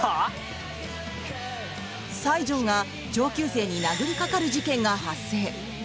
西条が上級生に殴りかかる事件が発生。